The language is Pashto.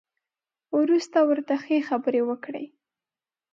وروسته ورته ښې خبرې وکړئ.